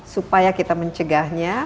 supaya kita mencegahnya